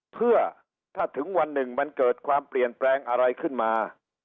เพื่อถ้าถึงวันหนึ่งมันเกิดความเปลี่ยนแปลงอะไรขึ้นมา